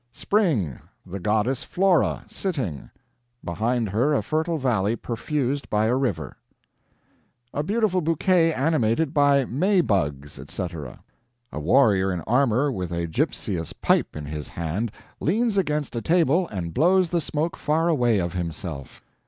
"Spring. The Goddess Flora, sitting. Behind her a fertile valley perfused by a river." "A beautiful bouquet animated by May bugs, etc." "A warrior in armor with a gypseous pipe in his hand leans against a table and blows the smoke far away of himself."